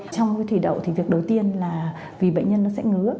trong cái thủy đậu thì việc đầu tiên là vì bệnh nhân nó sẽ ngứa